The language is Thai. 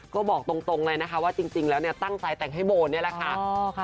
ก็บอกตรงเลยนะคะว่าจริงแล้วเนี่ยตั้งใจแต่งให้โบนี่แหละค่ะ